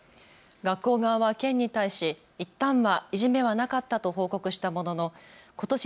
学校側は県に対し、いったんはいじめはなかったと報告したもののことし